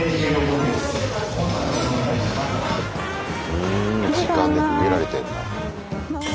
うん時間で区切られてんだ。